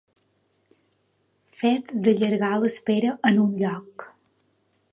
Fet d'allargar l'espera en un lloc.